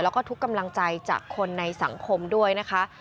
แล้วก็ทุกกำลังใจจากคนในสังคมด้วยนะคะ